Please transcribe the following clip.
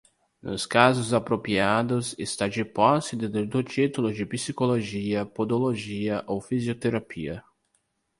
Nos casos apropriados, estar de posse do título de Psicologia, Podologia ou Fisioterapia.